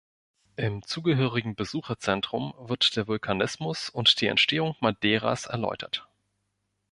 Im zugehörigen Besucherzentrum wird der Vulkanismus und die Entstehung Madeiras erläutert.